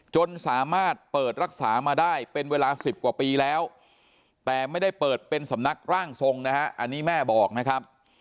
จนสามารถเปิดรักษามาได้เป็นเวลา๑๐กว่าปีแล้วแต่ไม่ได้เปิดเป็นสำนักร่างทรงนะฮะอันนี้แม่บอกนะครับ